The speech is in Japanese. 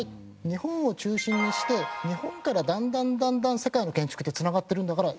日本を中心にして日本からだんだんだんだん世界の建築って繋がってるんだから。